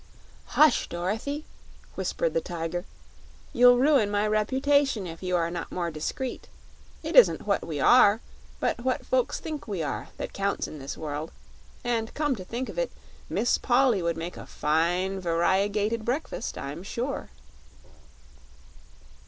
"Hush, Dorothy," whispered the Tiger; "you'll ruin my reputation if you are not more discreet. It isn't what we are, but what folks think we are, that counts in this world. And come to think of it Miss Polly would make a fine variegated breakfast, I'm sure."